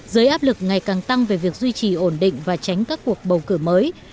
dưới áp lực ngày càng tăng về việc duy trì ổn định và tránh các cuộc bầu cử mới